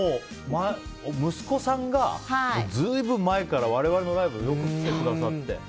息子さんが随分前から、我々のライブによく来てくださって。